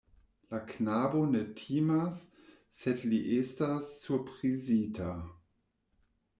La knabo ne timas, sed li estas surprizita.